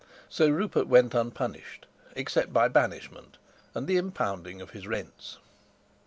So Rupert went unpunished except by banishment and the impounding of his rents.